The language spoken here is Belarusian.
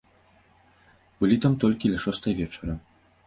Былі там толькі ля шостай вечара.